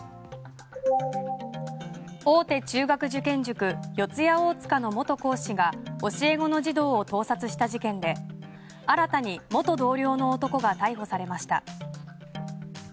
大手中学受験塾四谷大塚の元講師が教え子の児童を盗撮した事件で新たに元同僚の男が逮捕されました。